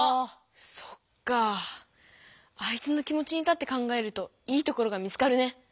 そっか相手の気持ちに立って考えると「いいところ」が見つかるね。